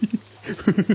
フフフッ。